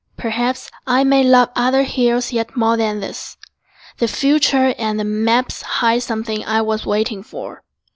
Perhaps I may love other hills yet more Than this: the future and the maps Hide something I was waiting for.